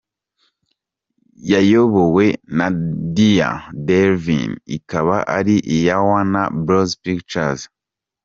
Yayobowe na Dean Devlin ikaba ari iya Warner Bros Pictures.